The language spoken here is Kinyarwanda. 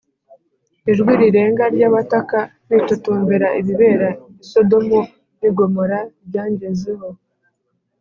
Ijwi rirenga ry abataka bitotombera ibibera i sodomu n i gomora ryangezeho